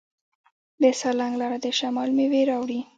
د سالنګ لاره د شمال میوې راوړي.